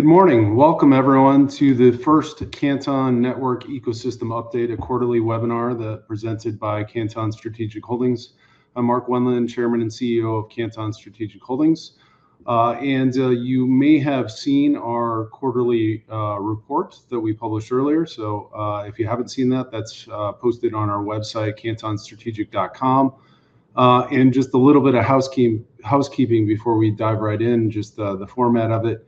Good morning. Welcome, everyone, to the first Canton Network Ecosystem Update, a quarterly webinar presented by Canton Strategic Holdings. I'm Mark Wendland, Chairman and CEO of Canton Strategic Holdings. You may have seen our quarterly report that we published earlier. If you haven't seen that's posted on our website, cantonstrategic.com. Jt a little bit of housekeeping before we dive right in, just the format of it.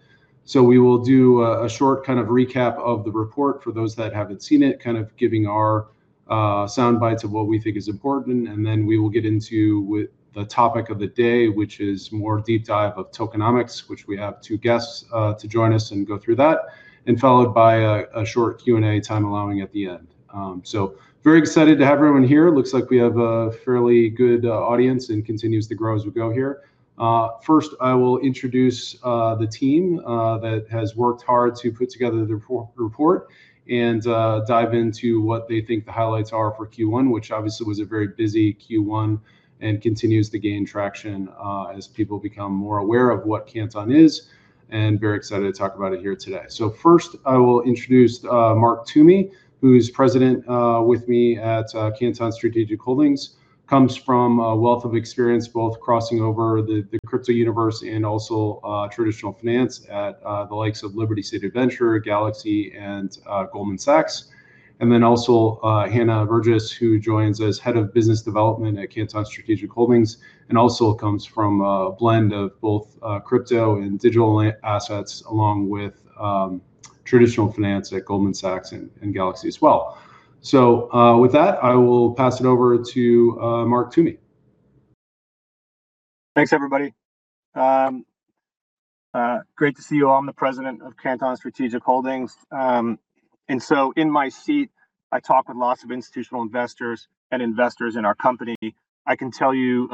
We will do a short kind of recap of the report for those that haven't seen it, kind of giving our soundbites of what we think is important. Then we will get into the topic of the day, which is more deep dive of tokenomics, which we have two guests to join us and go through that, and followed by a short Q and A, time allowing at the end. Very excited to have everyone here. Looks like we have a fairly good audience, and continues to grow as we go here. First, I will introduce the team that has worked hard to put together the report and dive into what they think the highlights are for Q1, which obviously was a very busy Q1 and continues to gain traction as people become more aware of what Canton is, and very excited to talk about it here today. First, I will introduce Mark Toomey, who's President with me at Canton Strategic Holdings. Comes from a wealth of experience, both crossing over the crypto universe and also traditional finance at the likes of Liberty City Ventures, Galaxy, and Goldman Sachs. Then also Hannah Burgess, who joins as Head of Business Development at Canton Strategic Holdings, and also comes from a blend of both crypto and digital assets, along with traditional finance at Goldman Sachs and Galaxy as well. With that, I will pass it over to Mark Toomey. Thanks, everybody. Great to see you all. I'm the President of Canton Strategic Holdings. In my seat, I talk with lots of institutional investors and investors in our company. I can tell you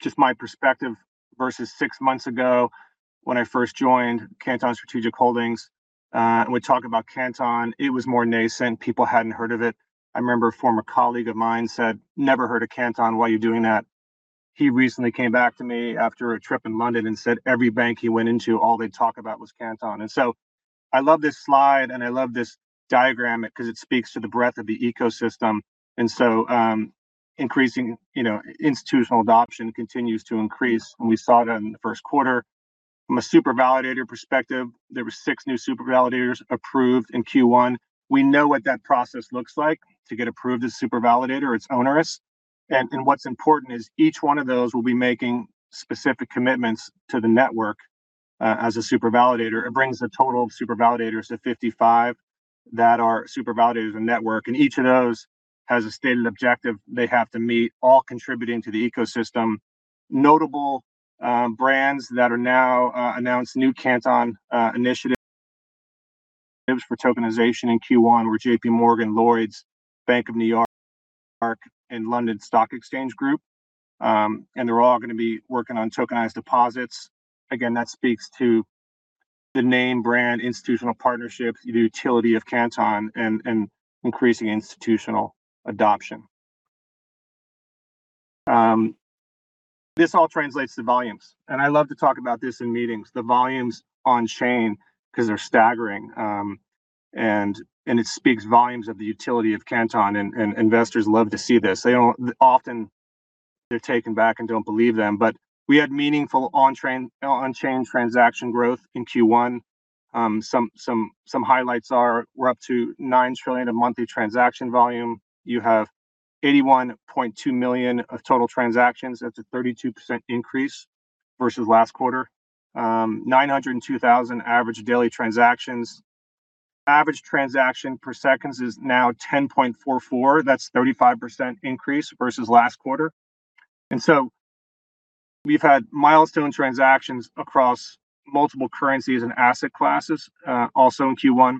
just my perspective versus six months ago when I first joined Canton Strategic Holdings, and we talk about Canton, it was more nascent. People hadn't heard of it. I remember a former colleague of mine said, "Never heard of Canton. Why are you doing that?" He recently came back to me after a trip in London and said every bank he went into, all they'd talk about was Canton. I love this slide and I love this diagram because it speaks to the breadth of the ecosystem and so increasing institutional adoption continues to increase, and we saw it in the first quarter. From a Super Validator perspective, there were six new Super Validators approved in Q1. We know what that process looks like to get approved as Super Validator. It's onerous. What's important is each one of those will be making specific commitments to the network as a Super Validator. It brings the total of Super Validators to 55 that are Super Validators in network. Each of those has a stated objective they have to meet, all contributing to the ecosystem. Notable brands that are now announced new Canton initiatives for tokenization in Q1 were JPMorgan, Lloyds, Bank of New York, and London Stock Exchange Group. They're all going to be working on tokenized deposits. Again, that speaks to the name brand institutional partnerships, the utility of Canton, and increasing institutional adoption. This all translates to volumes, and I love to talk about this in meetings, the volumes on-chain, because they're staggering. It speaks volumes of the utility of Canton and investors love to see this. Often they're taken back and don't believe them, but we had meaningful on-chain transaction growth in Q1. Some highlights are we're up to $9 trillion of monthly transaction volume. You have $81.2 million of total transactions. That's a 32% increase versus last quarter. 902,000 average daily transactions. Average transaction per second is now 10.44. That's 35% increase versus last quarter. We've had milestone transactions across multiple currencies and asset classes. Also in Q1,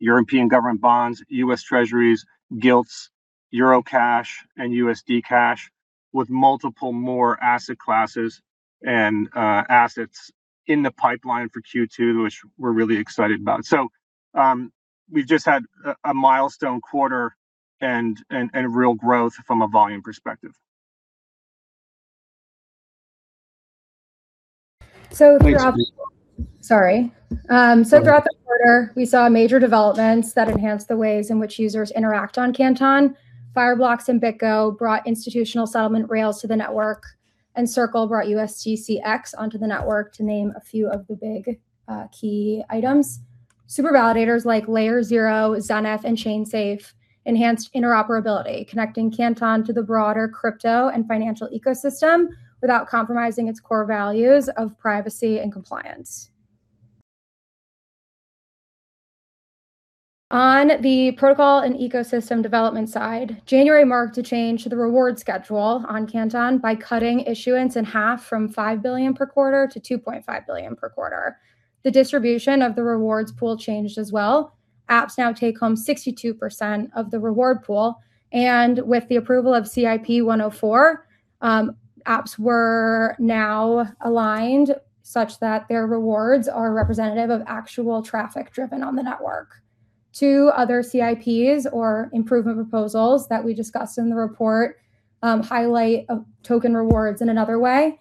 European government bonds, U.S. Treasuries, Gilts, Euro cash, and USD cash with multiple more asset classes and assets in the pipeline for Q2, which we're really excited about. We've just had a milestone quarter and real growth from a volume perspective. Thanks. Sorry. Throughout the quarter, we saw major developments that enhanced the ways in which users interact on Canton. Fireblocks and BitGo brought institutional settlement rails to the network, and Circle brought USDCx onto the network to name a few of the big key items. Super validators like LayerZero, Zonoff, and ChainSafe enhanced interoperability, connecting Canton to the broader crypto and financial ecosystem without compromising its core values of privacy and compliance. On the protocol and ecosystem development side, January marked a change to the reward schedule on Canton by cutting issuance in half from $5 billion per quarter to $2.5 billion per quarter. The distribution of the rewards pool changed as well. Apps now take home 62% of the reward pool, and with the approval of CIP-104, apps were now aligned such that their rewards are representative of actual traffic driven on the network. Two other CIPs or improvement proposals that we discussed in the report highlight token rewards in another way.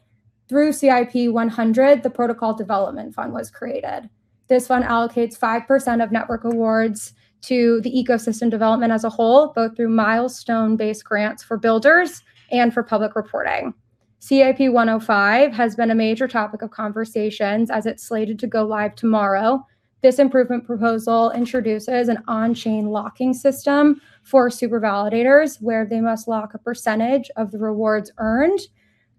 Through CIP-100, the Protocol Development Fund was created. This fund allocates 5% of network rewards to the ecosystem development as a whole, both through milestone-based grants for builders and for public reporting. CIP-105 has been a major topic of conversation as it's slated to go live tomorrow. This improvement proposal introduces an on-chain locking system for Super Validators, where they must lock a percentage of the rewards earned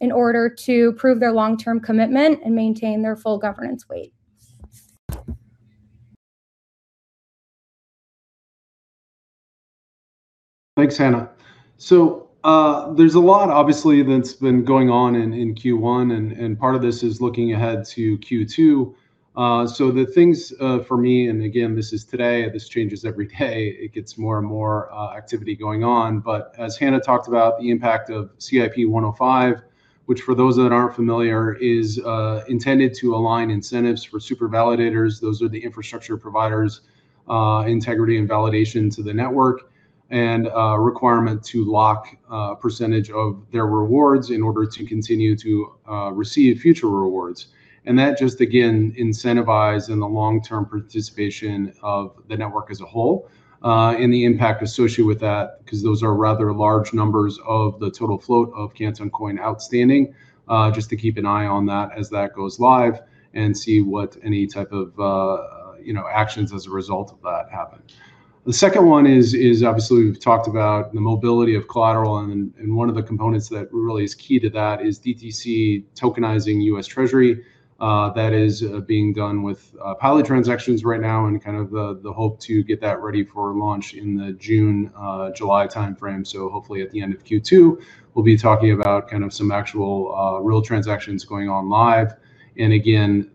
in order to prove their long-term commitment and maintain their full governance weight. Thanks, Hannah. There's a lot obviously that's been going on in Q1, and part of this is looking ahead to Q2. The things for me, and again, this is today, this changes every day, it gets more and more activity going on. But as Hannah talked about, the impact of CIP-105, which for those that aren't familiar, is intended to align incentives for Super Validators, those are the infrastructure providers, integrity and validation to the network, and a requirement to lock a percentage of their rewards in order to continue to receive future rewards. That just again, incentivizes the long-term participation of the network as a whole, and the impact associated with that, because those are rather large numbers of the total float of Canton Coin outstanding. Just to keep an eye on that as that goes live and see what any type of actions as a result of that happen. The second one is obviously we've talked about the mobility of collateral, and one of the components that really is key to that is DTC tokenizing U.S. Treasuries. That is being done with pilot transactions right now and kind of the hope to get that ready for launch in the June-July timeframe. Hopefully at the end of Q2, we'll be talking about kind of some actual real transactions going on live. Again,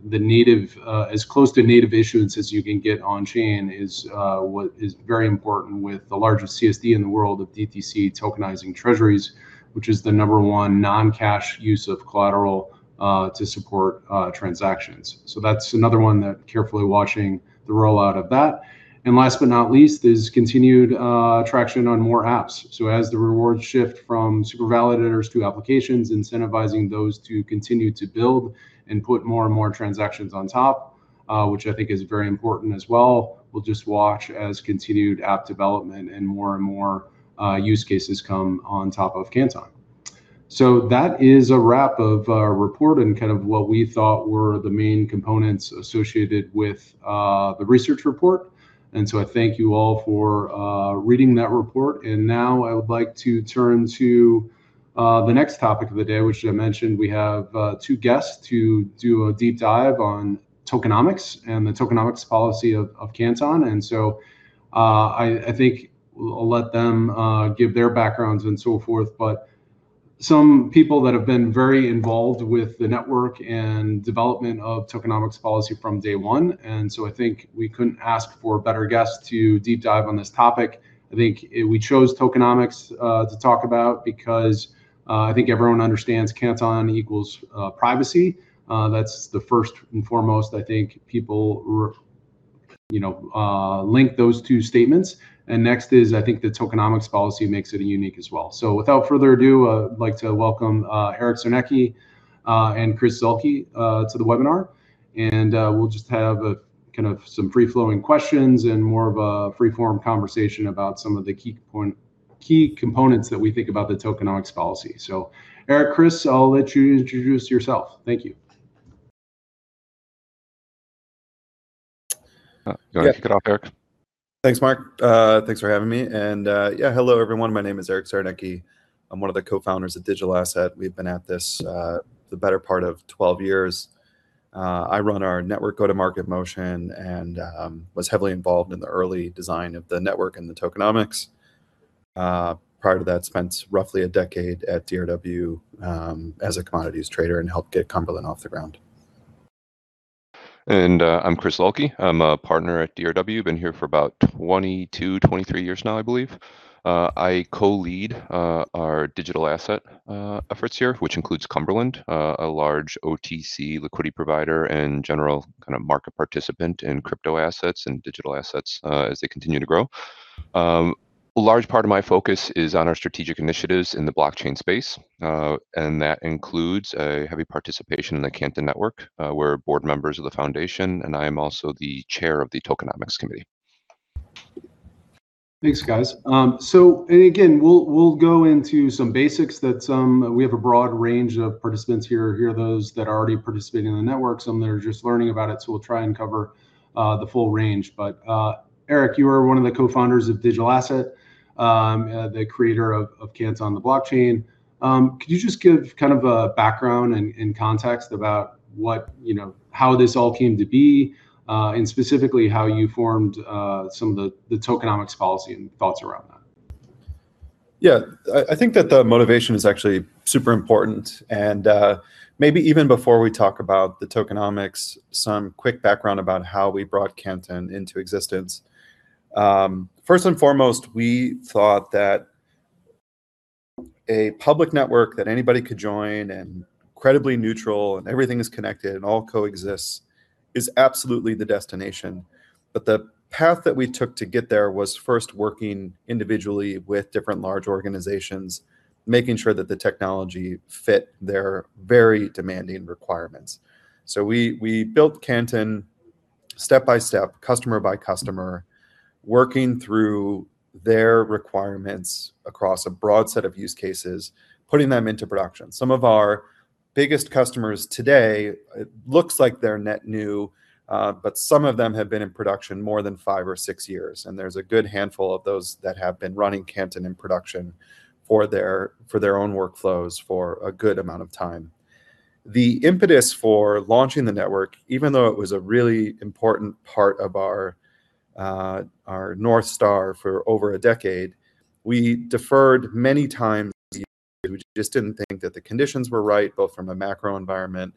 as close to native issuance as you can get on-chain is what is very important with the largest CSD in the world of DTC tokenizing Treasuries, which is the number one non-cash use of collateral to support transactions. That's another one that carefully watching the rollout of that. Last but not least is continued traction on more apps. As the rewards shift from Super Validators to applications, incentivizing those to continue to build and put more and more transactions on top, which I think is very important as well. We'll just watch as continued app development and more and more use cases come on top of Canton. That is a wrap of our report and kind of what we thought were the main components associated with the research report. I thank you all for reading that report. Now I would like to turn to the next topic of the day, which I mentioned we have two guests to do a deep dive on tokenomics and the tokenomics policy of Canton. I think I'll let them give their backgrounds and so forth. Some people that have been very involved with the network and development of tokenomics policy from day one, and so I think we couldn't ask for better guests to deep dive on this topic. I think we chose tokenomics to talk about because I think everyone understands Canton equals privacy. That's the first and foremost, I think people link those two statements. Next is I think the tokenomics policy makes it unique as well. Without further ado, I'd like to welcome Eric Czarnecki and Chris Zuehlke to the webinar. We'll just have kind of some free-flowing questions and more of a free-form conversation about some of the key components that we think about the tokenomics policy. Eric, Chris, I'll let you introduce yourself. Thank you. You want to kick it off, Eric? Thanks, Mark. Thanks for having me. Yeah. Hello, everyone. My name is Eric Czarnecki. I'm one of the co-founders of Digital Asset. We've been at this the better part of 12 years. I run our network go-to-market motion and was heavily involved in the early design of the network and the tokenomics. Prior to that, I spent roughly a decade at DRW as a commodities trader and helped get Cumberland off the ground. I'm Chris Zuehlke. I'm a partner at DRW. Been here for about 22, 23 years now, I believe. I co-lead our digital asset efforts here, which includes Cumberland, a large OTC liquidity provider and general kind of market participant in crypto assets and digital assets as they continue to grow. A large part of my focus is on our strategic initiatives in the blockchain space, and that includes a heavy participation in the Canton Network. We're board members of the Foundation, and I am also the chair of the Tokenomics Committee. Thanks, guys. Again, we'll go into some basics. We have a broad range of participants here. Here are those that are already participating in the network, some that are just learning about it, so we'll try and cover the full range. Eric, you are one of the co-founders of Digital Asset, the creator of Canton the blockchain. Could you just give kind of a background and context about how this all came to be, and specifically how you formed some of the tokenomics policy and thoughts around that? Yeah. I think that the motivation is actually super important, and maybe even before we talk about the tokenomics, some quick background about how we brought Canton into existence. First and foremost, we thought that a public network that anybody could join and credibly neutral and everything is connected and all coexists is absolutely the destination. The path that we took to get there was first working individually with different large organizations, making sure that the technology fit their very demanding requirements. We built Canton step-by-step, customer by customer, working through their requirements across a broad set of use cases, putting them into production. Some of our biggest customers today, it looks like they're net new, but some of them have been in production more than five or six years, and there's a good handful of those that have been running Canton in production for their own workflows for a good amount of time. The impetus for launching the network, even though it was a really important part of our North Star for over a decade, we deferred many times. We just didn't think that the conditions were right, both from a macro environment,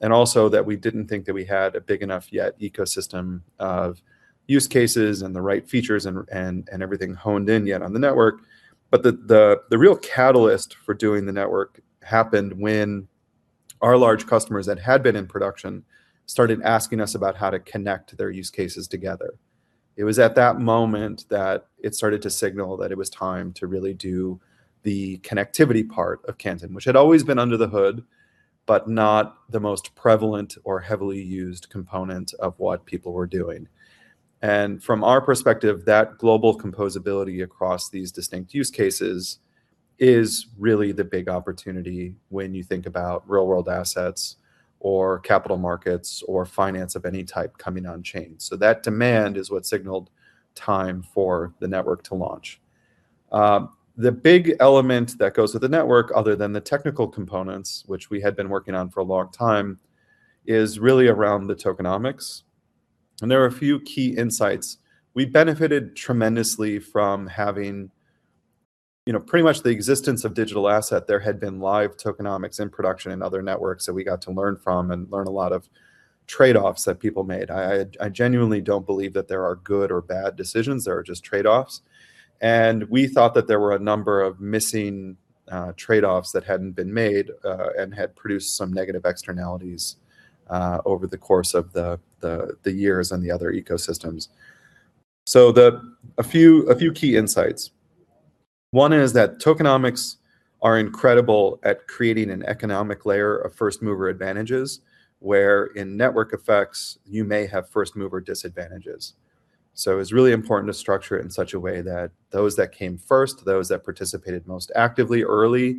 and also that we didn't think that we had a big enough yet ecosystem of use cases and the right features and everything honed in yet on the network. The real catalyst for doing the network happened when our large customers that had been in production started asking us about how to connect their use cases together. It was at that moment that it started to signal that it was time to really do the connectivity part of Canton, which had always been under the hood, but not the most prevalent or heavily used component of what people were doing. From our perspective, that global composability across these distinct use cases is really the big opportunity when you think about real-world assets or capital markets or finance of any type coming on chain. That demand is what signaled time for the network to launch. The big element that goes with the network other than the technical components, which we had been working on for a long time, is really around the tokenomics. There are a few key insights. We benefited tremendously from having pretty much the existence of Digital Asset. There had been live tokenomics in production in other networks that we got to learn from and learn a lot of trade-offs that people made. I genuinely don't believe that there are good or bad decisions. There are just trade-offs. We thought that there were a number of missing trade-offs that hadn't been made and had produced some negative externalities over the course of the years on the other ecosystems. A few key insights. One is that tokenomics are incredible at creating an economic layer of first-mover advantages, where in network effects, you may have first-mover disadvantages. It's really important to structure it in such a way that those that came first, those that participated most actively early,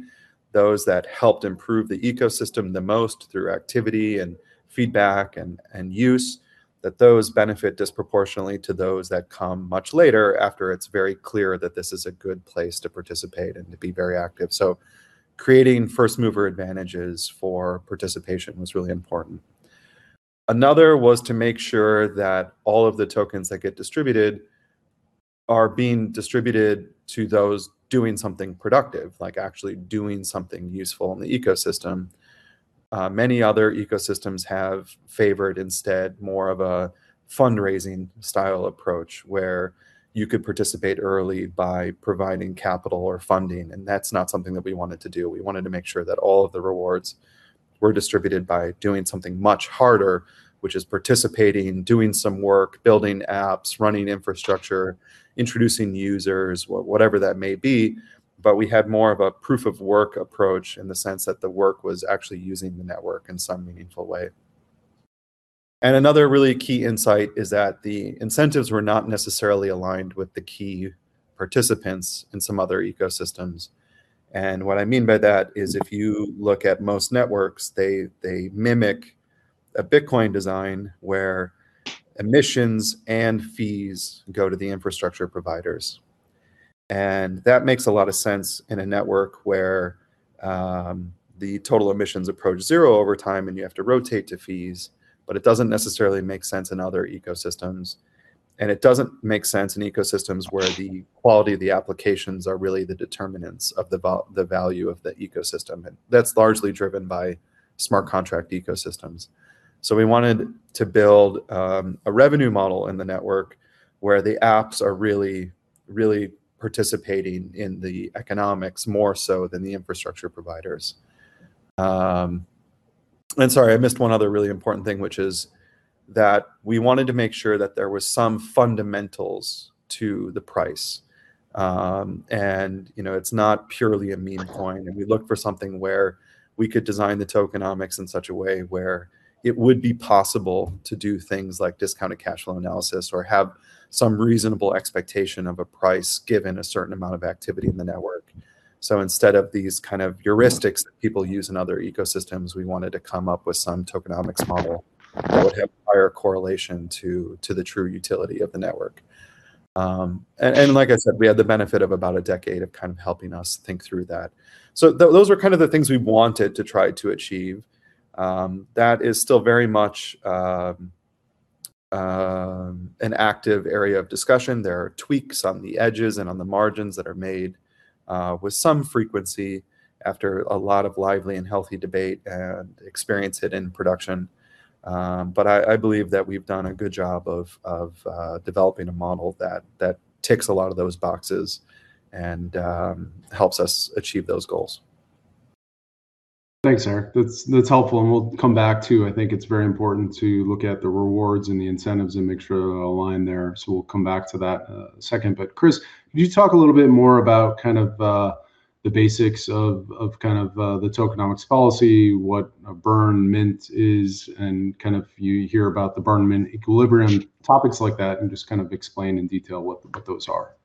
those that helped improve the ecosystem the most through activity and feedback and use, that those benefit disproportionately to those that come much later after it's very clear that this is a good place to participate and to be very active. Creating first-mover advantages for participation was really important. Another was to make sure that all of the tokens that get distributed are being distributed to those doing something productive. Like actually doing something useful in the ecosystem. Many other ecosystems have favored instead more of a fundraising style approach where you could participate early by providing capital or funding, and that's not something that we wanted to do. We wanted to make sure that all of the rewards were distributed by doing something much harder, which is participating, doing some work, building apps, running infrastructure, introducing users, whatever that may be. We had more of a proof-of-work approach in the sense that the work was actually using the network in some meaningful way. Another really key insight is that the incentives were not necessarily aligned with the key participants in some other ecosystems. What I mean by that is if you look at most networks, they mimic a Bitcoin design where emissions and fees go to the infrastructure providers. That makes a lot of sense in a network where the total emissions approach zero over time and you have to rotate to fees, but it doesn't necessarily make sense in other ecosystems. It doesn't make sense in ecosystems where the quality of the applications are really the determinants of the value of the ecosystem. That's largely driven by smart contract ecosystems. We wanted to build a revenue model in the network where the apps are really participating in the economics more so than the infrastructure providers. Sorry, I missed one other really important thing, which is that we wanted to make sure that there was some fundamentals to the price. It's not purely a meme coin. We looked for something where we could design the tokenomics in such a way where it would be possible to do things like discounted cash flow analysis or have some reasonable expectation of a price given a certain amount of activity in the network. Instead of these kind of heuristics that people use in other ecosystems, we wanted to come up with some tokenomics model that would have higher correlation to the true utility of the network. Like I said, we had the benefit of about a decade of kind of helping us think through that. Those were kind of the things we wanted to try to achieve. That is still very much an active area of discussion. There are tweaks on the edges and on the margins that are made with some frequency, after a lot of lively and healthy debate and experience with it in production. I believe that we've done a good job of developing a model that ticks a lot of those boxes and helps us achieve those goals. Thanks, Eric. That's helpful. We'll come back to, I think it's very important to look at the rewards and the incentives and make sure they're aligned there. We'll come back to that in a second. Chris, could you talk a little bit more about the basics of the tokenomics policy, what a burn mint is, and you hear about the burn mint equilibrium, topics like that, and just explain in detail what those are?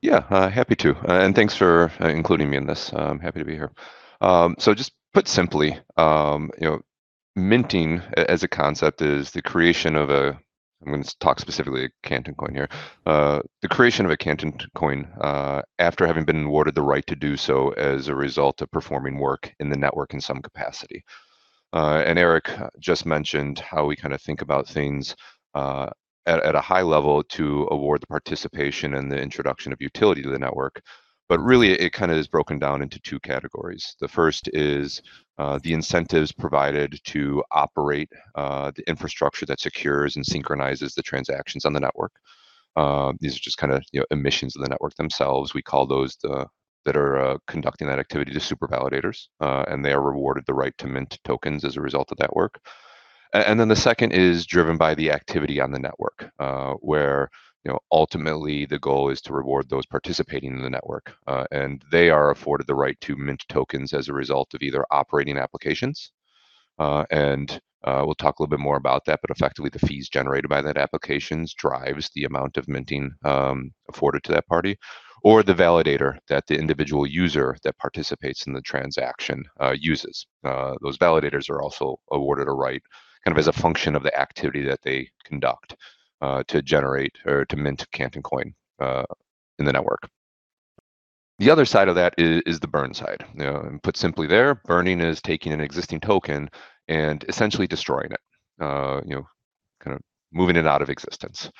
Yeah. Happy to. Thanks for including me in this. I'm happy to be here. Just put simply, minting as a concept is the creation of a.... I'm going to talk specifically about Canton Coin here. The creation of a Canton Coin, after having been awarded the right to do so as a result of performing work in the network in some capacity. Eric just mentioned how we think about things at a high level to award the participation and the introduction of utility to the network. Really, it kind of is broken down into two categories. The first is, the incentives provided to operate the infrastructure that secures and synchronizes the transactions on the network. These are just kind of emissions of the network themselves. We call those that are conducting that activity, the Super Validators, and they are rewarded the right to mint tokens as a result of that work. Then the second is driven by the activity on the network, where ultimately the goal is to reward those participating in the network. They are afforded the right to mint tokens as a result of either operating applications, and we'll talk a little bit more about that. But effectively, the fees generated by that applications drives the amount of minting afforded to that party, or the validator that the individual user that participates in the transaction uses. Those validators are also awarded a right, kind of as a function of the activity that they conduct, to generate or to mint Canton Coin, in the network. The other side of that is the burn side. Put simply there, burning is taking an existing token and essentially destroying it. Kind of moving it out of existence.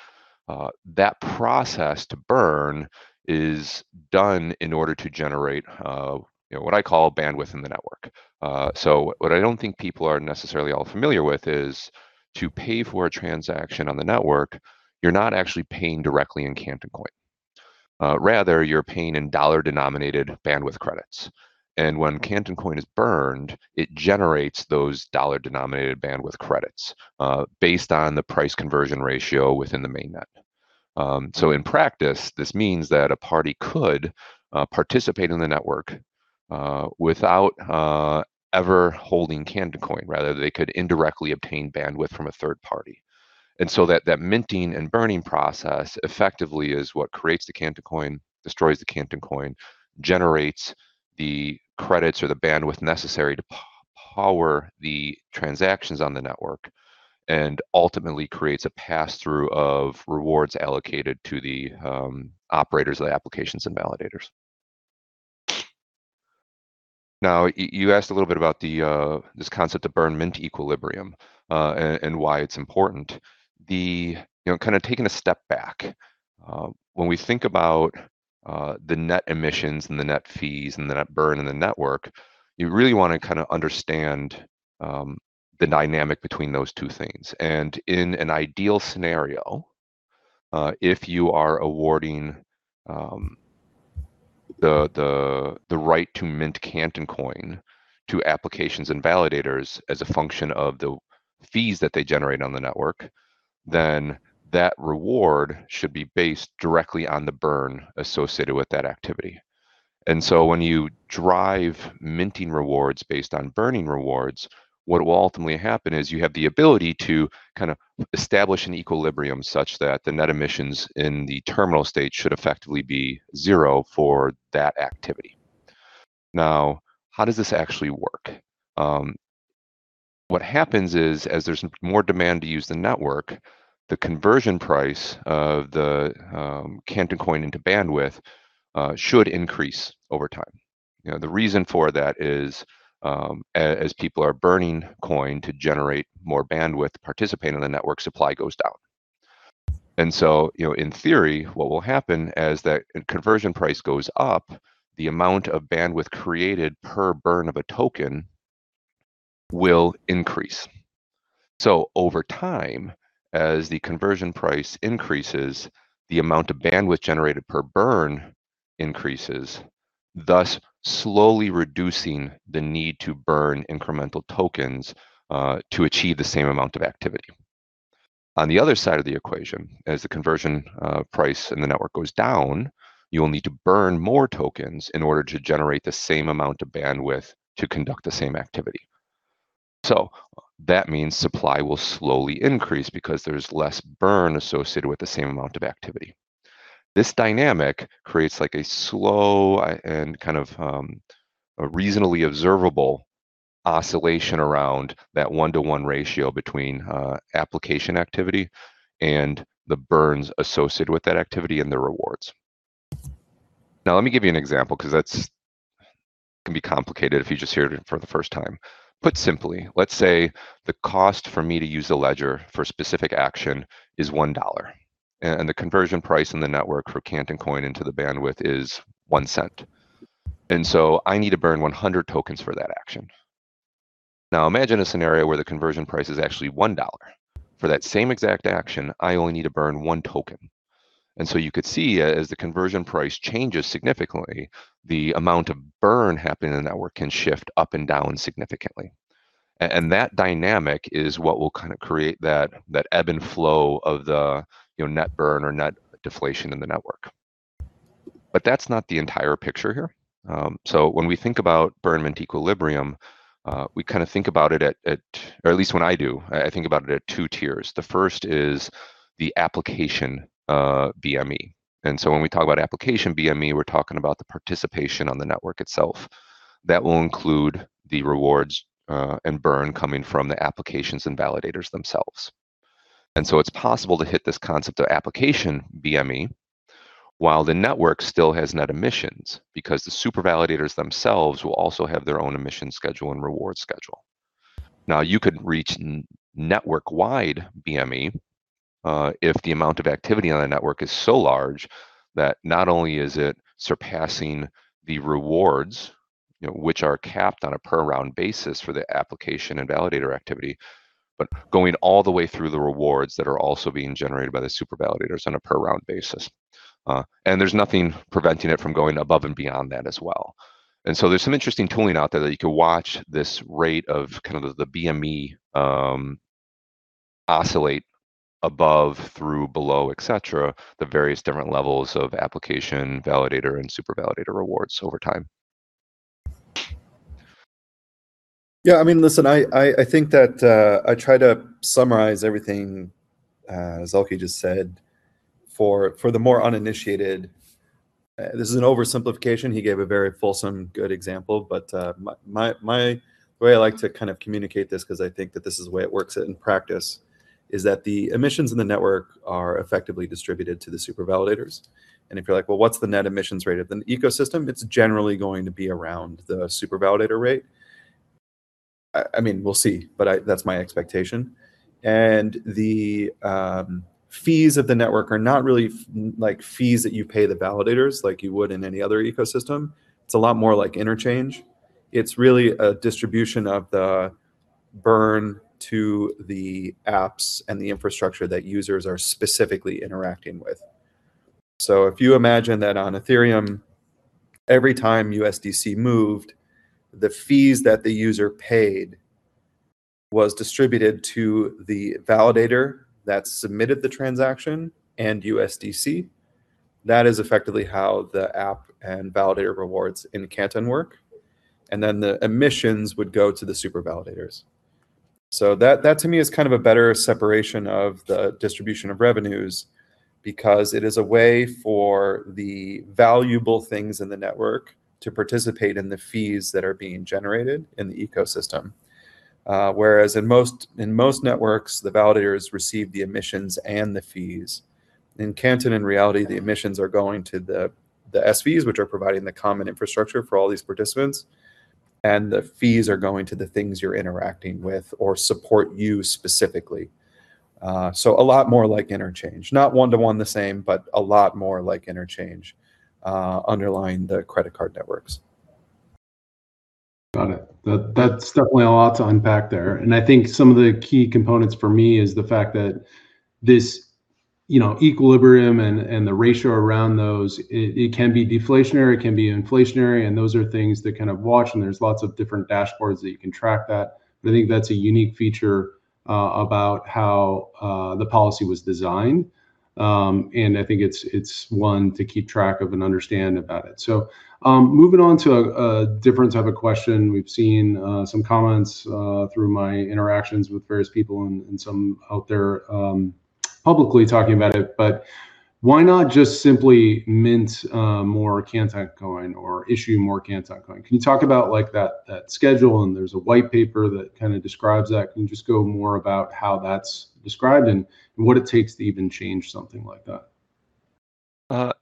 That process to burn is done in order to generate what I call bandwidth in the network. What I don't think people are necessarily all familiar with is to pay for a transaction on the network, you're not actually paying directly in Canton Coin. Rather, you're paying in dollar-denominated bandwidth credits. When Canton Coin is burned, it generates those dollar-denominated bandwidth credits, based on the price conversion ratio within the MainNet. In practice, this means that a party could participate in the network without ever holding Canton Coin. Rather, they could indirectly obtain bandwidth from a third party. That minting and burning process effectively is what creates the Canton Coin, destroys the Canton Coin, generates the credits or the bandwidth necessary to power the transactions on the network, and ultimately creates a pass-through of rewards allocated to the operators of the applications and validators. Now, you asked a little bit about this concept of burn mint equilibrium, and why it's important. Kind of taking a step back. When we think about the net emissions and the net fees and the net burn in the network, you really want to understand the dynamic between those two things. In an ideal scenario, if you are awarding the right to mint Canton Coin to applications and validators as a function of the fees that they generate on the network, then that reward should be based directly on the burn associated with that activity. When you drive minting rewards based on burning rewards, what will ultimately happen is you have the ability to establish an equilibrium such that the net emissions in the terminal state should effectively be zero for that activity. Now, how does this actually work? What happens is as there's more demand to use the network, the conversion price of the Canton Coin into bandwidth should increase over time. The reason for that is, as people are burning coin to generate more bandwidth to participate on the network, supply goes down. In theory, what will happen as that conversion price goes up, the amount of bandwidth created per burn of a token will increase. Over time, as the conversion price increases, the amount of bandwidth generated per burn increases, thus slowly reducing the need to burn incremental tokens to achieve the same amount of activity. On the other side of the equation, as the conversion price in the network goes down, you'll need to burn more tokens in order to generate the same amount of bandwidth to conduct the same activity. That means supply will slowly increase because there's less burn associated with the same amount of activity. This dynamic creates a slow and a reasonably observable oscillation around that one-to-one ratio between application activity and the burns associated with that activity and the rewards. Now, let me give you an example because that can be complicated if you just hear it for the first time. Put simply, let's say the cost for me to use a ledger for a specific action is $1. The conversion price in the network for Canton Coin into the bandwidth is $0.01. I need to burn 100 tokens for that action. Now imagine a scenario where the conversion price is actually $1. For that same exact action, I only need to burn one token. You could see as the conversion price changes significantly, the amount of burn happening in the network can shift up and down significantly. That dynamic is what will create that ebb and flow of the net burn or net deflation in the network. That's not the entire picture here. When we think about burn mint equilibrium, we think about it at, or at least when I do, I think about it at two tiers. The first is the application BME. When we talk about application BME, we're talking about the participation on the network itself. That will include the rewards, and burn coming from the applications and validators themselves. It's possible to hit this concept of application BME while the network still has net emissions, because the super validators themselves will also have their own emission schedule and reward schedule. Now, you could reach network-wide BME, if the amount of activity on the network is so large that not only is it surpassing the rewards, which are capped on a per round basis for the application and validator activity, but going all the way through the rewards that are also being generated by the super validators on a per round basis. There's nothing preventing it from going above and beyond that as well. There's some interesting tooling out there that you can watch this rate of the BME oscillate above, through, below, et cetera, the various different levels of application validator and super validator rewards over time. Yeah. Listen, I think that, I tried to summarize everything Zuehlke just said for the more uninitiated. This is an oversimplification. He gave a very fulsome, good example. My way I like to communicate this, because I think that this is the way it works in practice, is that the emissions in the network are effectively distributed to the super validators. If you're like, "Well, what's the net emissions rate of the ecosystem?" It's generally going to be around the super validator rate. We'll see, but that's my expectation. The fees of the network are not really fees that you pay the validators like you would in any other ecosystem. It's a lot more like interchange. It's really a distribution of the burn to the apps and the infrastructure that users are specifically interacting with. If you imagine that on Ethereum, every time USDC moved, the fees that the user paid was distributed to the validator that submitted the transaction and USDC. That is effectively how the app and validator rewards in Canton work, and then the emissions would go to the Super Validators. That to me is a better separation of the distribution of revenues because it is a way for the valuable things in the network to participate in the fees that are being generated in the ecosystem. Whereas in most networks, the validators receive the emissions and the fees. In Canton, in reality, the emissions are going to the SVs, which are providing the common infrastructure for all these participants, and the fees are going to the things you're interacting with or support you specifically. A lot more like interchange, not one-to-one the same, but a lot more like interchange underlying the credit card networks. Got it. That's definitely a lot to unpack there. I think some of the key components for me is the fact that this equilibrium and the ratio around those, it can be deflationary, it can be inflationary, and those are things to watch. There's lots of different dashboards that you can track that. I think that's a unique feature, about how the policy was designed. I think it's one to keep track of and understand about it. Moving on to a different type of question. We've seen some comments through my interactions with various people and some out there publicly talking about it, but why not just simply mint more Canton Coin or issue more Canton Coin? Can you talk about that schedule? There's a white paper that describes that. Can you just go more about how that's described and what it takes to even change something like that?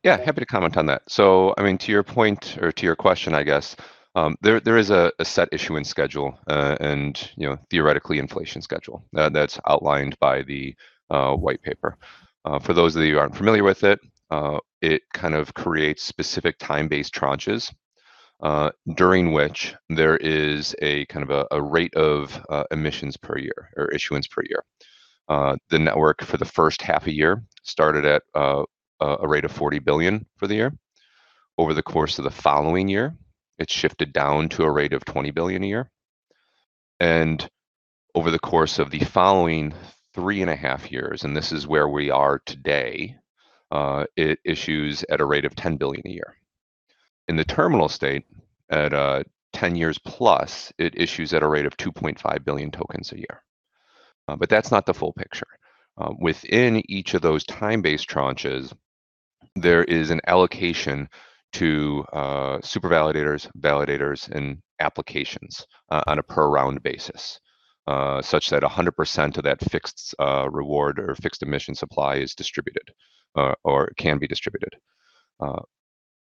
Yeah, happy to comment on that. To your point or to your question, I guess, there is a set issuance schedule, and theoretical inflation schedule that's outlined by the white paper. For those of you who aren't familiar with it creates specific time-based tranches, during which there is a rate of emissions per year or issuance per year. The network for the first half a year started at a rate of 40 billion for the year. Over the course of the following year, it shifted down to a rate of 20 billion a year. Over the course of the following three and a half years, and this is where we are today, it issues at a rate of 10 billion a year. In the terminal state, at 10 years plus, it issues at a rate of 2.5 billion tokens a year. That's not the full picture. Within each of those time-based tranches, there is an allocation to super validators, and applications, on a per round basis, such that 100% of that fixed reward or fixed emission supply is distributed, or can be distributed.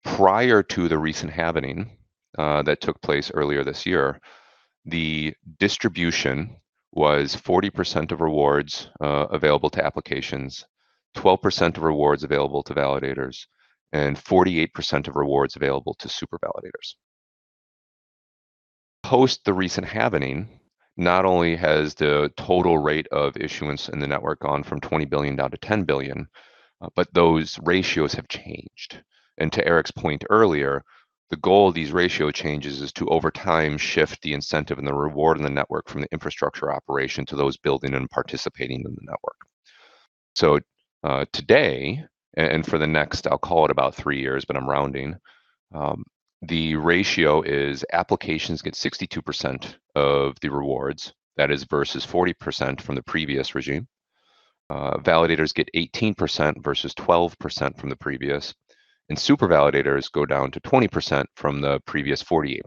Prior to the recent halving that took place earlier this year, the distribution was 40% of rewards available to applications, 12% of rewards available to validators, and 48% of rewards available to super validators. Post the recent halving, not only has the total rate of issuance in the network gone from 20 billion down to 10 billion, but those ratios have changed. To Eric's point earlier, the goal of these ratio changes is to, over time, shift the incentive and the reward in the network from the infrastructure operation to those building and participating in the network. Today, and for the next, I'll call it about three years, but I'm rounding, the ratio is applications get 62% of the rewards. That is versus 40% from the previous regime. Validators get 18% versus 12% from the previous, and Super Validators go down to 20% from the previous 48%.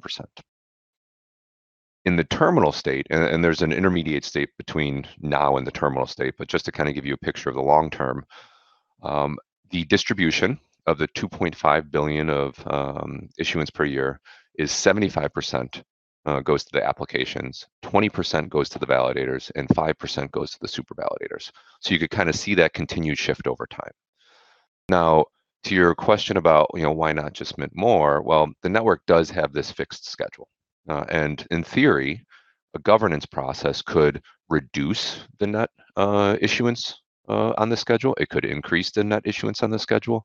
In the terminal state, and there's an intermediate state between now and the terminal state, but just to kind of give you a picture of the long term, the distribution of the 2.5 billion of issuance per year is 75% goes to the applications, 20% goes to the Validators, and 5% goes to the Super Validators. You could kind of see that continued shift over time. Now, to your question about why not just mint more, well, the network does have this fixed schedule. In theory, a governance process could reduce the net issuance on the schedule. It could increase the net issuance on the schedule.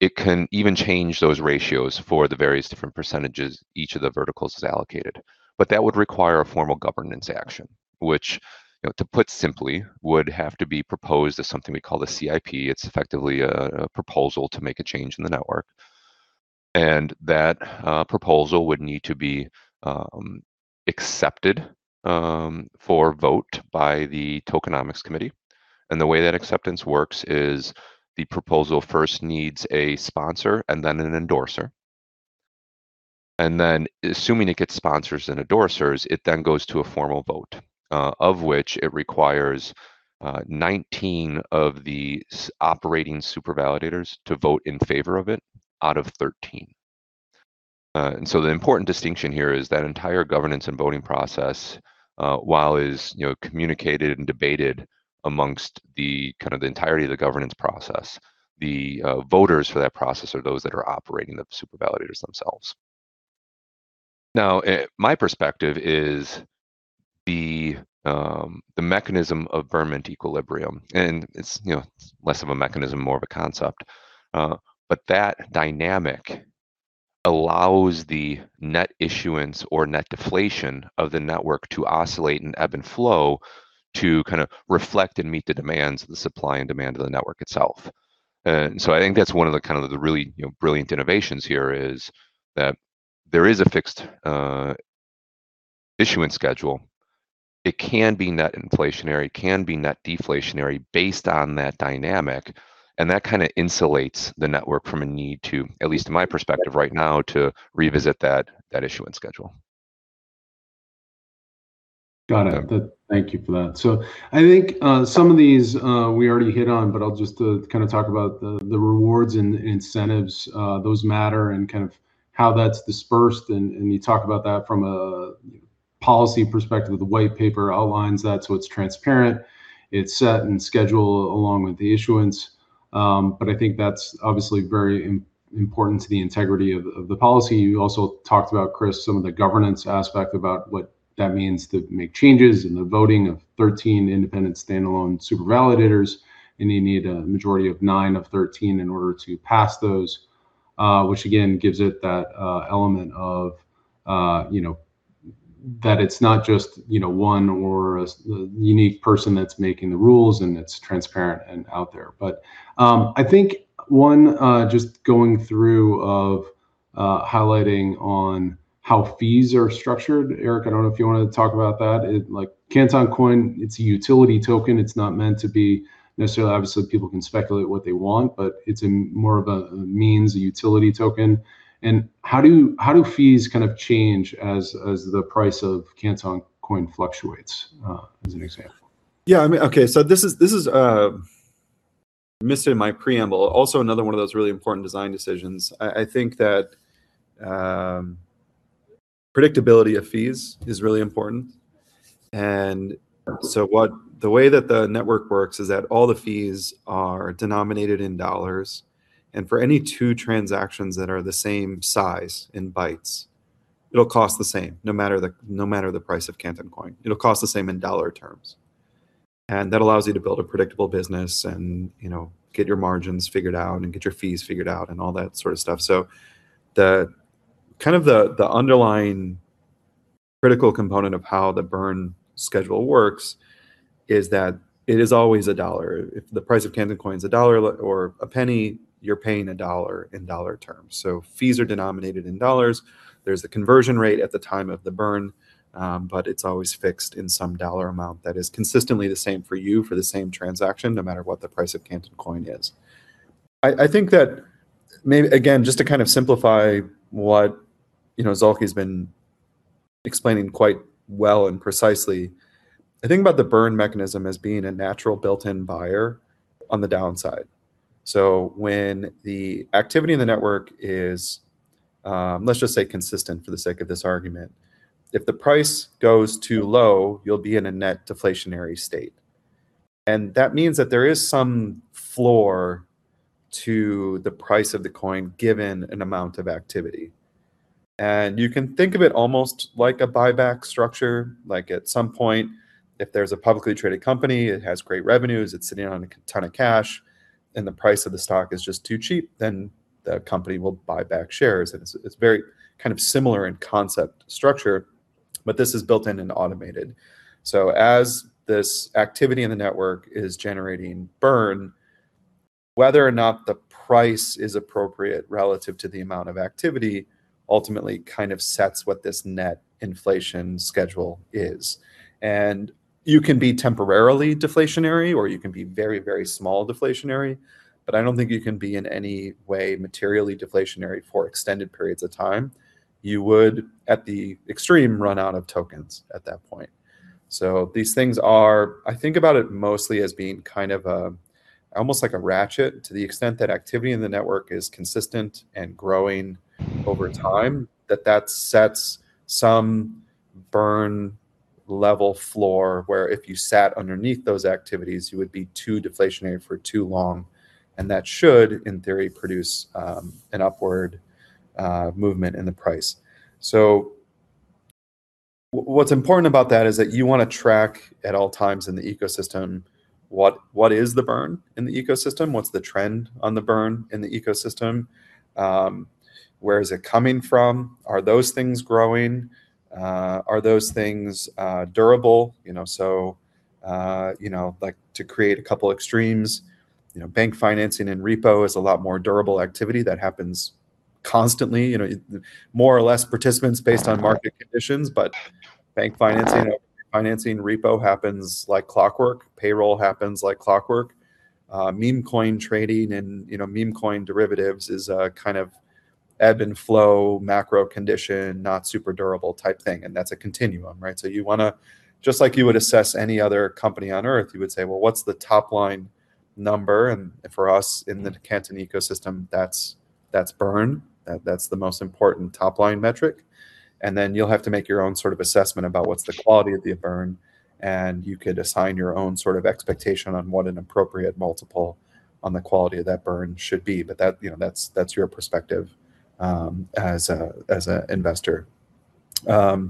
It can even change those ratios for the various different percentages each of the verticals is allocated. That would require a formal governance action, which, to put simply, would have to be proposed as something we call the CIP. It's effectively a proposal to make a change in the network. That proposal would need to be accepted for vote by the Tokenomics Committee. The way that acceptance works is the proposal first needs a sponsor and then an endorser. Then assuming it gets sponsors and endorsers, it then goes to a formal vote, of which it requires nine of the operating Super Validators to vote in favor of it out of 13. The important distinction here is that the entire governance and voting process, while it is communicated and debated among the entirety of the governance process, the voters for that process are those that are operating the Super Validators themselves. Now, my perspective is the mechanism of burn mint equilibrium, and it's less of a mechanism, more of a concept. That dynamic allows the net issuance or net deflation of the network to oscillate and ebb and flow to kind of reflect and meet the demands of the supply and demand of the network itself. I think that's one of the kind of really brilliant innovations here is that there is a fixed issuance schedule. It can be net inflationary, can be net deflationary based on that dynamic, and that kind of insulates the network from a need to, at least in my perspective right now, to revisit that issuance schedule. Got it. Thank you for that. I think some of these we already hit on, but I'll just kind of talk about the rewards and incentives, those matter, and kind of how that's dispersed. You talk about that from a policy perspective. The white paper outlines that, so it's transparent. It's set and schedule along with the issuance. I think that's obviously very important to the integrity of the policy. You also talked about, Chris, some of the governance aspect about what that means to make changes in the voting of 13 independent standalone Super Validators, and you need a majority of nine of 13 in order to pass those. Which again, gives it that element of that it's not just one or a unique person that's making the rules and it's transparent and out there. I think one just going through of highlighting on how fees are structured, Eric, I don't know if you wanted to talk about that. Like Canton Coin, it's a utility token. It's not meant to be necessarily, obviously, people can speculate what they want, but it's more of a means, a utility token. How do fees kind of change as the price of Canton Coin fluctuates? As an example. Yeah. Okay. This is missing my preamble. Also, another one of those really important design decisions. I think that predictability of fees is really important. The way that the network works is that all the fees are denominated in dollars. For any two transactions that are the same size in bytes, it'll cost the same no matter the price of Canton Coin. It'll cost the same in dollar terms. That allows you to build a predictable business and get your margins figured out and get your fees figured out and all that sort of stuff. The kind of underlying critical component of how the burn schedule works is that it is always a dollar. If the price of Canton Coin is a dollar or a penny, you're paying a dollar in dollar terms. Fees are denominated in dollars. There's the conversion rate at the time of the burn, but it's always fixed in some dollar amount that is consistently the same for you for the same transaction, no matter what the price of Canton Coin is. I think that, again, just to kind of simplify what Zuehlke's been explaining quite well and precisely. I think about the burn mechanism as being a natural built-in buyer on the downside. When the activity in the network is, let's just say consistent for the sake of this argument, if the price goes too low, you'll be in a net deflationary state. That means that there is some floor to the price of the coin, given an amount of activity. You can think of it almost like a buyback structure. Like at some point, if there's a publicly traded company, it has great revenues, it's sitting on a ton of cash, and the price of the stock is just too cheap, then the company will buy back shares. It's very kind of similar in concept structure, but this is built in and automated. As this activity in the network is generating burn, whether or not the price is appropriate relative to the amount of activity, ultimately kind of sets what this net inflation schedule is. You can be temporarily deflationary, or you can be very, very small deflationary, but I don't think you can be in any way materially deflationary for extended periods of time. You would, at the extreme, run out of tokens at that point. I think about it mostly as being kind of almost like a ratchet to the extent that activity in the network is consistent and growing over time, that that sets some burn level floor where if you sat underneath those activities, you would be too deflationary for too long. And that should, in theory, produce an upward movement in the price. What's important about that is that you want to track at all times in the ecosystem what is the burn in the ecosystem, what's the trend on the burn in the ecosystem. Where is it coming from? Are those things growing? Are those things durable? To create a couple extremes, bank financing and repo is a lot more durable activity that happens constantly, more or less participants based on market conditions. Bank financing, repo happens like clockwork. Payroll happens like clockwork. Meme coin trading and meme coin derivatives is a kind of ebb and flow, macro condition, not super durable type thing. That's a continuum, right? You want to, just like you would assess any other company on Earth, you would say, "Well, what's the top line number?" For us in the Canton ecosystem, that's burn. That's the most important top-line metric. Then you'll have to make your own sort of assessment about what's the quality of the burn, and you could assign your own sort of expectation on what an appropriate multiple on the quality of that burn should be. That's your perspective as an investor. Yeah,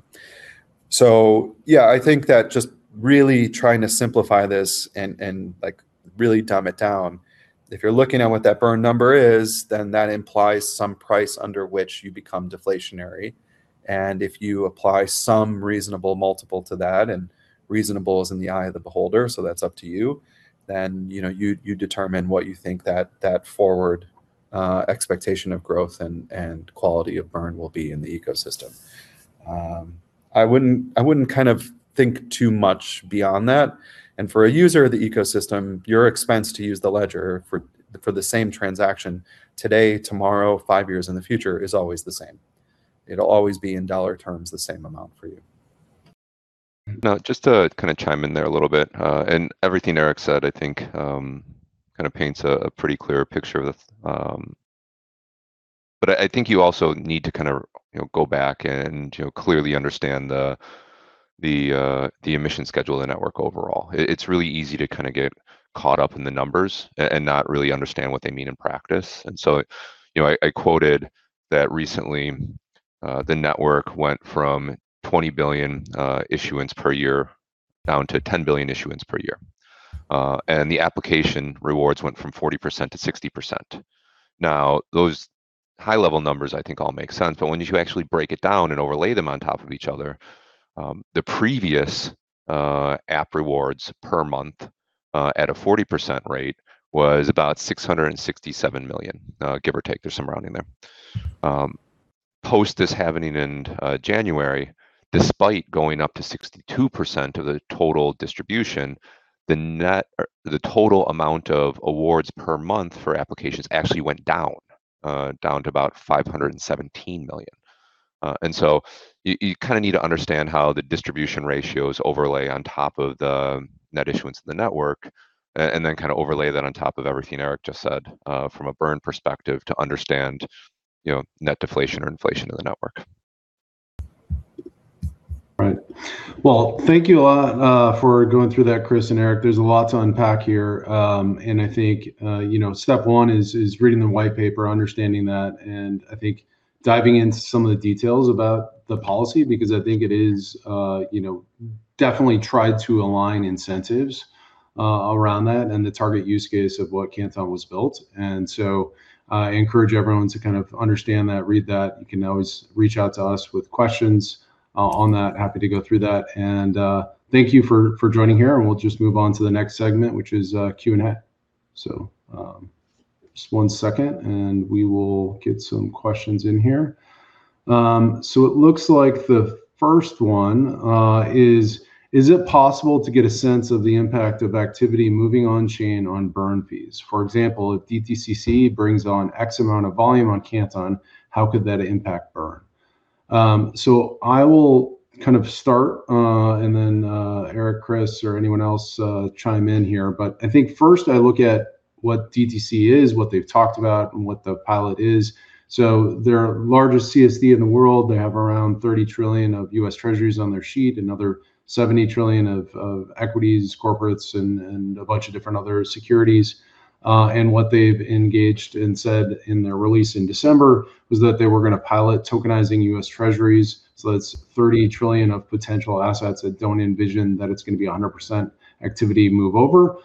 I think that just really trying to simplify this and really dumb it down, if you're looking at what that burn number is, then that implies some price under which you become deflationary. If you apply some reasonable multiple to that, and reasonable is in the eye of the beholder, so that's up to you, then you determine what you think that forward expectation of growth and quality of burn will be in the ecosystem. I wouldn't think too much beyond that. For a user of the ecosystem, your expense to use the ledger for the same transaction today, tomorrow, five years in the future, is always the same. It'll always be in dollar terms the same amount for you. Now, just to kind of chime in there a little bit. Everything Eric said, I think kind of paints a pretty clear picture. I think you also need to go back and clearly understand the emission schedule of the network overall. It's really easy to kind of get caught up in the numbers and not really understand what they mean in practice. I quoted that recently the network went from 20 billion issuance per year down to 10 billion issuance per year. The application rewards went from 40%-60%. Now, those high-level numbers I think all make sense, but when you actually break it down and overlay them on top of each other, the previous app rewards per month at a 40% rate was about 667 million, give or take. There's some rounding there. Post this happening in January, despite going up to 62% of the total distribution, the total amount of awards per month for applications actually went down. Down to about 517 million. You kind of need to understand how the distribution ratios overlay on top of the net issuance of the network, and then kind of overlay that on top of everything Eric just said from a burn perspective to understand net deflation or inflation in the network. Right. Well, thank you for going through that, Chris and Eric. There's a lot to unpack here. I think step one is reading the white paper, understanding that, and I think diving into some of the details about the policy, because I think it is definitely tried to align incentives around that and the target use case of what Canton was built. I encourage everyone to kind of understand that, read that. You can always reach out to us with questions on that. Happy to go through that. Thank you for joining here, and we'll just move on to the next segment, which is Q and A. Just one second, and we will get some questions in here. It looks like the first one is it possible to get a sense of the impact of activity moving on-chain on burn fees? For example, if DTCC brings on X amount of volume on Canton, how could that impact burn? I will kind of start, and then Eric, Chris, or anyone else chime in here. I think first I look at what DTC is, what they've talked about, and what the pilot is. They're the largest CSD in the world. They have around $30 trillion of U.S. Treasuries on their sheet, another $70 trillion of equities, corporates, and a bunch of different other securities. What they've engaged and said in their release in December was that they were going to pilot tokenizing U.S. Treasuries. That's $30 trillion of potential assets. I don't envision that it's going to be 100% activity move over.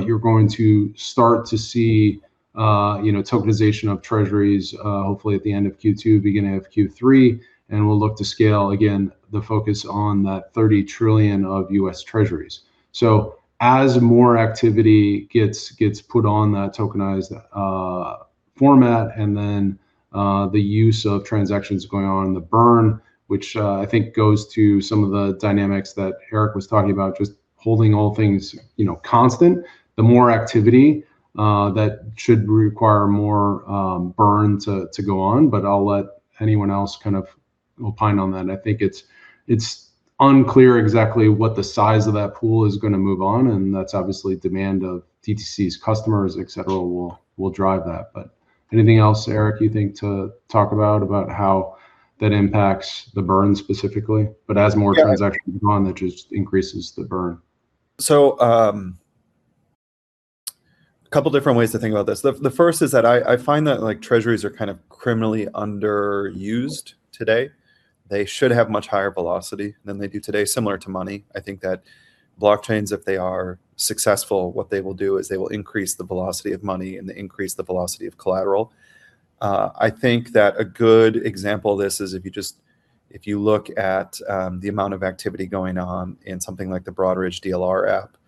You're going to start to see tokenization of Treasuries hopefully at the end of Q2, beginning of Q3, and we'll look to scale, again, the focus on that $30 trillion of U.S. Treasuries. As more activity gets put on that tokenized format and then the use of transactions going on in the burn, which I think goes to some of the dynamics that Eric was talking about, just holding all things constant, the more activity that should require more burn to go on. I'll let anyone else kind of opine on that. I think it's unclear exactly what the size of that pool is going to move on, and that's obviously demand of DTC's customers, et cetera, will drive that. Anything else, Eric, you think to talk about how that impacts the burn specifically? As more transactions go on, that just increases the burn. A couple different ways to think about this. The first is that I find that Treasuries are kind of criminally underused today. They should have much higher velocity than they do today, similar to money. I think that blockchains, if they are successful, what they will do is they will increase the velocity of money and increase the velocity of collateral. I think that a good example of this is if you look at the amount of activity going on in something like the Broadridge DLR app.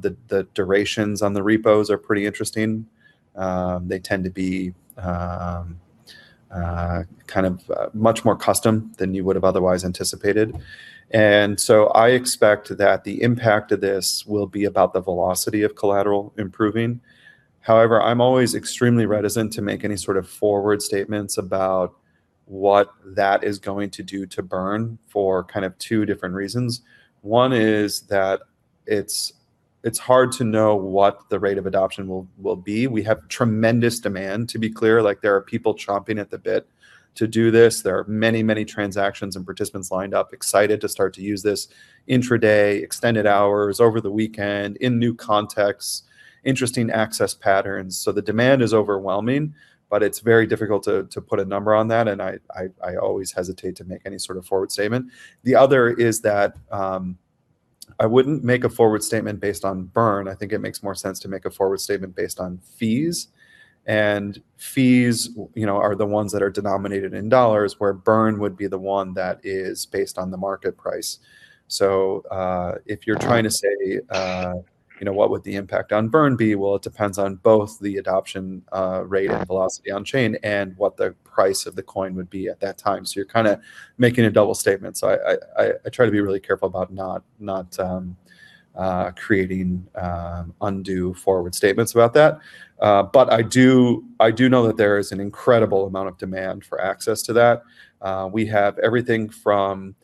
The durations on the repos are pretty interesting. They tend to be kind of much more custom than you would have otherwise anticipated. I expect that the impact of this will be about the velocity of collateral improving. However, I'm always extremely reticent to make any sort of forward statements about what that is going to do to burn for kind of two different reasons. One is that it's hard to know what the rate of adoption will be. We have tremendous demand, to be clear. There are people chomping at the bit to do this. There are many, many transactions and participants lined up excited to start to use this intraday, extended hours, over the weekend, in new contexts, interesting access patterns. So the demand is overwhelming, but it's very difficult to put a number on that, and I always hesitate to make any sort of forward statement. The other is that I wouldn't make a forward statement based on burn. I think it makes more sense to make a forward statement based on fees. Fees are the ones that are denominated in dollars, where burn would be the one that is based on the market price. If you're trying to say what would the impact on burn be, well, it depends on both the adoption rate and velocity on-chain and what the price of the coin would be at that time. You're kind of making a double statement. I try to be really careful about not creating undue forward statements about that. I do know that there is an incredible amount of demand for access to that. We have everything from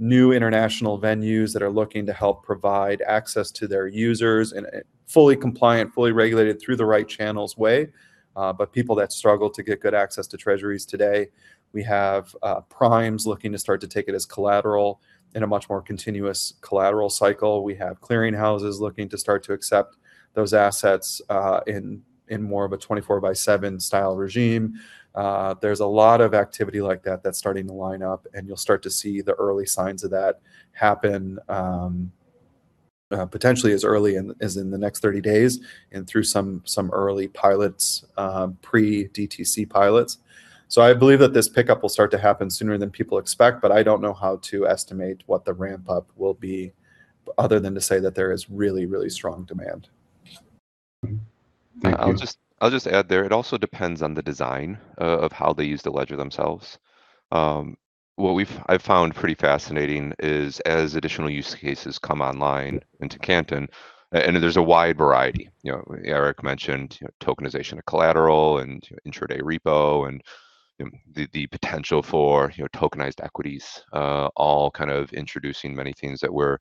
new international venues that are looking to help provide access to their users in a fully compliant, fully regulated through the right channels way, but people that struggle to get good access to Treasuries today. We have primes looking to start to take it as collateral in a much more continuous collateral cycle. We have clearing houses looking to start to accept those assets in more of a 24/7 style regime. There's a lot of activity like that that's starting to line up, and you'll start to see the early signs of that happen potentially as early as in the next 30 days and through some early pilots, pre-DTC pilots. I believe that this pickup will start to happen sooner than people expect, but I don't know how to estimate what the ramp up will be other than to say that there is really, really strong demand. Thank you. I'll just add there, it also depends on the design of how they use the ledger themselves. What I've found pretty fascinating is as additional use cases come online into Canton, and there's a wide variety. Eric mentioned tokenization of collateral and intraday repo and the potential for tokenized equities all kind of introducing many things that we're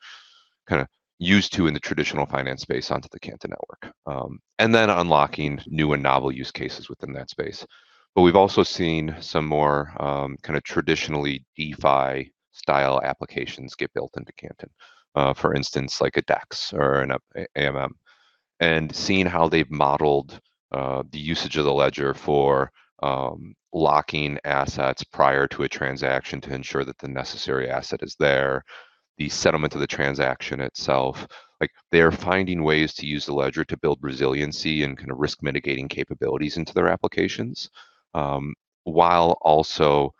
kind of used to in the traditional finance space onto the Canton Network, and then unlocking new and novel use cases within that space. We've also seen some more kind of traditionally DeFi style applications get built into Canton. For instance, like a DEX or an AMM, and seeing how they've modeled the usage of the ledger for locking assets prior to a transaction to ensure that the necessary asset is there, the settlement of the transaction itself. They are finding ways to use the ledger to build resiliency and kind of risk mitigating capabilities into their applications, while also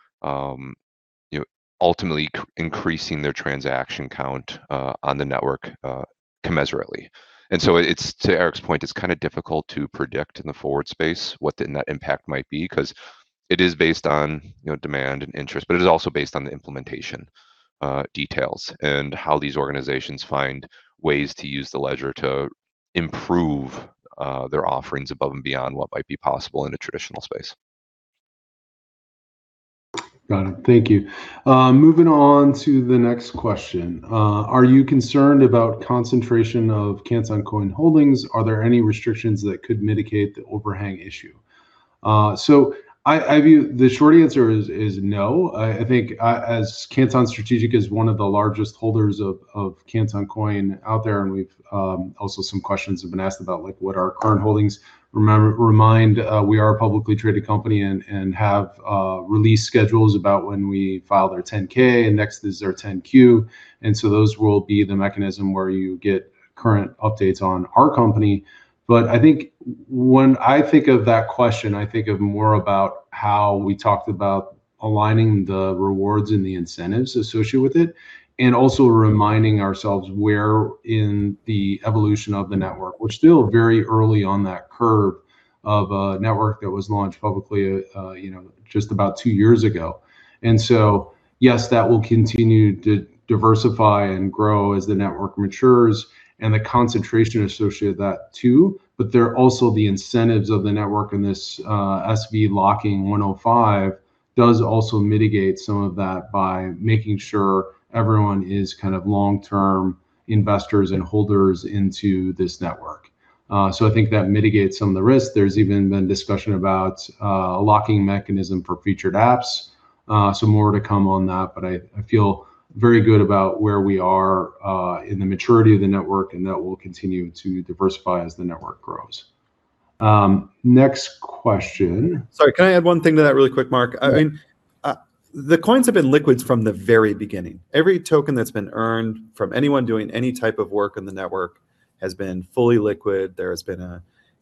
ultimately increasing their transaction count on the network commensurately. To Eric's point, it's kind of difficult to predict in the forward space what the net impact might be because it is based on demand and interest, but it is also based on the implementation details and how these organizations find ways to use the ledger to improve their offerings above and beyond what might be possible in a traditional space. Got it. Thank you. Moving on to the next question. Are you concerned about concentration of Canton Coin holdings? Are there any restrictions that could mitigate the overhang issue? I view the short answer is no. I think as Canton Strategic is one of the largest holders of Canton Coin out there, and also some questions have been asked about what our current holdings. Reminder, we are a publicly traded company and have release schedules about when we file our 10-K, and next is our 10-Q. Those will be the mechanism where you get current updates on our company. I think when I think of that question, I think of more about how we talked about aligning the rewards and the incentives associated with it. Also reminding ourselves where in the evolution of the network. We're still very early on that curve of a network that was launched publicly just about two years ago. Yes, that will continue to diversify and grow as the network matures and the concentration associated with that, too. There are also the incentives of the network in this SV locking 105 does also mitigate some of that by making sure everyone is long-term investors and holders into this network. I think that mitigates some of the risk. There's even been discussion about a locking mechanism for featured apps. More to come on that, but I feel very good about where we are in the maturity of the network, and that will continue to diversify as the network grows. Next question. Sorry, can I add one thing to that really quick, Mark? Yeah. The coins have been liquid from the very beginning. Every token that's been earned from anyone doing any type of work on the network has been fully liquid.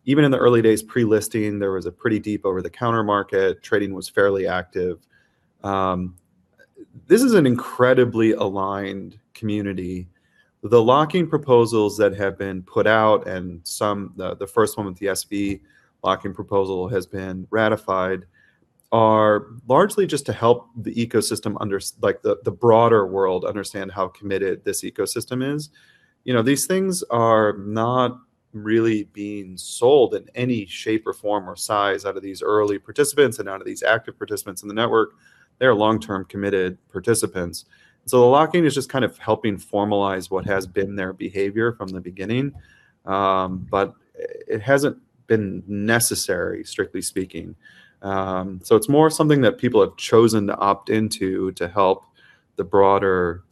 Even in the early days pre-listing, there was a pretty deep over-the-counter market. Trading was fairly active. This is an incredibly aligned community. The locking proposals that have been put out, and the first one with the SV locking proposal has been ratified, are largely just to help the broader world understand how committed this ecosystem is. These things are not really being sold in any shape or form or size out of these early participants and out of these active participants in the network. They're long-term committed participants. The locking is just helping formalize what has been their behavior from the beginning. It hasn't been necessary, strictly speaking. It's more something that people have chosen to opt into to help the broader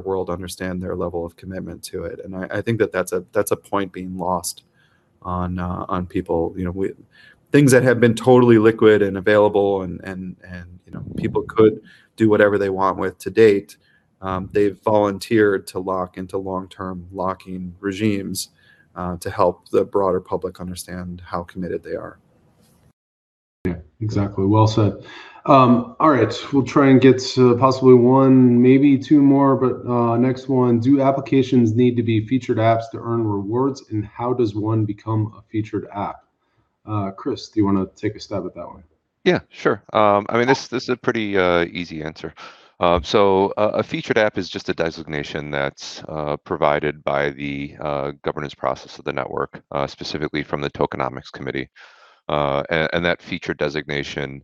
world understand their level of commitment to it. I think that's a point being lost on people. Things that have been totally liquid and available and people could do whatever they want with to date, they've volunteered to lock into long-term locking regimes to help the broader public understand how committed they are. Yeah, exactly. Well said. All right. We'll try and get possibly one, maybe two more, but next one. Do applications need to be featured apps to earn rewards, and how does one become a featured app? Chris, do you want to take a stab at that one? Yeah, sure. This is a pretty easy answer. A featured app is just a designation that's provided by the governance process of the network, specifically from the Tokenomics Committee. That feature designation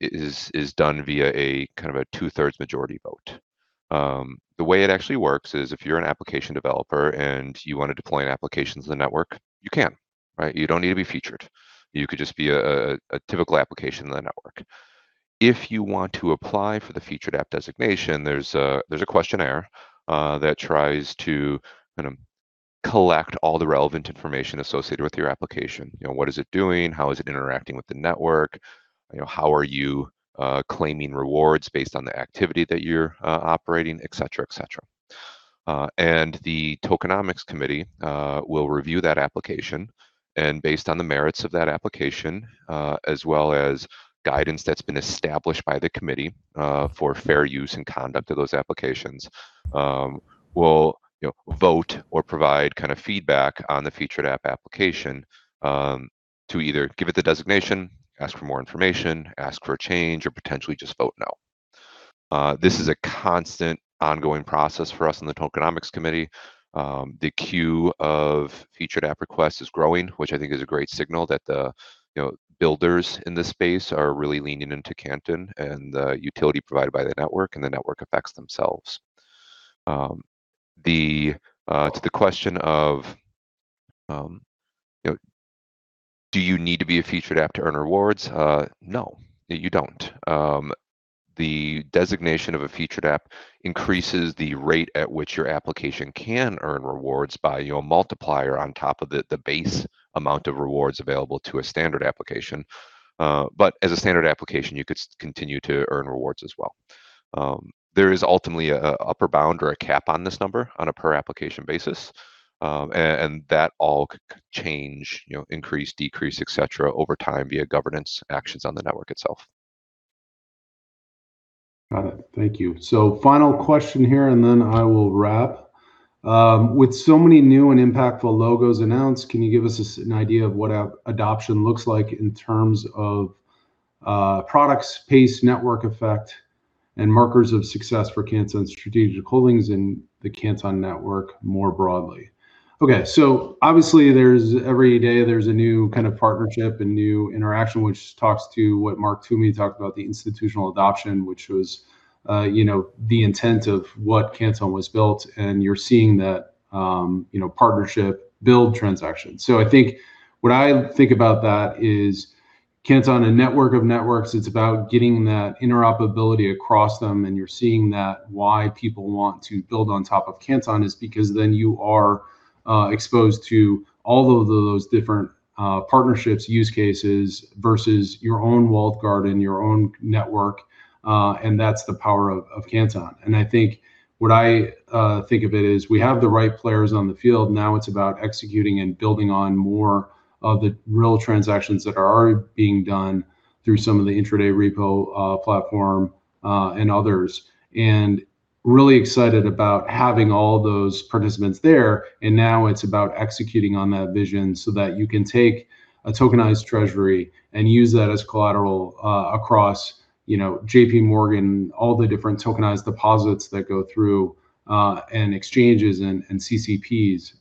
is done via a 2/3 majority vote. The way it actually works is if you're an application developer and you want to deploy an application to the network, you can, right? You don't need to be featured. You could just be a typical application in the network. If you want to apply for the featured app designation, there's a questionnaire that tries to collect all the relevant information associated with your application. What is it doing? How is it interacting with the network? How are you claiming rewards based on the activity that you're operating? Et cetera. The Tokenomics Committee will review that application, and based on the merits of that application, as well as guidance that's been established by the committee for fair use and conduct of those applications, will vote or provide feedback on the featured app application to either give it the designation, ask for more information, ask for a change, or potentially just vote no. This is a constant ongoing process for us in the Tokenomics Committee. The queue of featured app requests is growing, which I think is a great signal that the builders in this space are really leaning into Canton and the utility provided by the network and the network effects themselves. To the question of do you need to be a featured app to earn rewards? No, you don't. The designation of a featured app increases the rate at which your application can earn rewards by a multiplier on top of the base amount of rewards available to a standard application. As a standard application, you could continue to earn rewards as well. There is ultimately an upper bound or a cap on this number on a per application basis. That all could change, increase, decrease, et cetera, over time via governance actions on the network itself. Got it. Thank you. Final question here, and then I will wrap. With so many new and impactful logos announced, can you give us an idea of what adoption looks like in terms of products, pace, network effect, and markers of success for Canton Strategic Holdings in the Canton Network more broadly. Okay, obviously every day there's a new kind of partnership and new interaction, which talks to what Mark Toomey talked about, the institutional adoption, which was the intent of what Canton was built, and you're seeing that partnership build transaction. I think what I think about that is Canton, a network of networks. It's about getting that interoperability across them, and you're seeing why people want to build on top of Canton is because then you are exposed to all of those different partnerships, use cases, versus your own walled garden, your own network, and that's the power of Canton. I think what I think of it is we have the right players on the field. Now it's about executing and building on more of the real transactions that are already being done through some of the intraday repo platform, and others. I'm really excited about having all those participants there, and now it's about executing on that vision so that you can take a tokenized treasury and use that as collateral across JPMorgan, all the different tokenized deposits that go through, and exchanges and CCPs.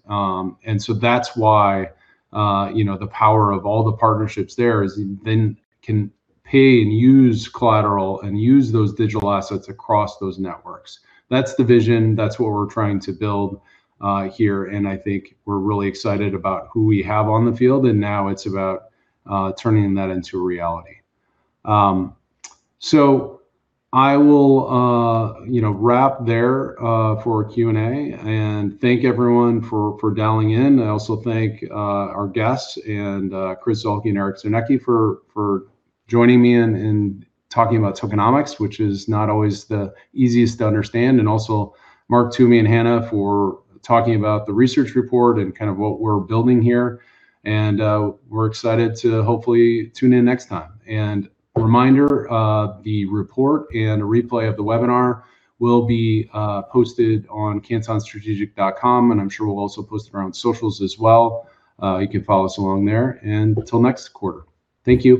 That's why the power of all the partnerships there is you then can pay and use collateral and use those digital assets across those networks. That's the vision. That's what we're trying to build here, and I think we're really excited about who we have on the field, and now it's about turning that into a reality. I will wrap there for Q and A, and thank everyone for dialing in. I also thank our guests and Chris Zuehlke and Eric Czarnecki for joining me and talking about tokenomics, which is not always the easiest to understand, and also Mark Toomey and Hannah for talking about the research report and kind of what we're building here. We're excited to hopefully tune in next time. Reminder, the report and a replay of the webinar will be posted on cantonstrategic.com, and I'm sure we'll also post it around socials as well. You can follow us along there, and until next quarter. Thank you.